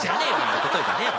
おとといじゃねえよ。